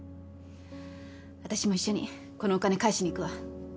私も一緒にこのお金返しに行くわ。